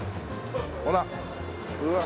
ほらうわあ。